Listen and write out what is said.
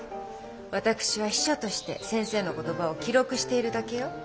私は秘書として先生の言葉を記録しているだけよ。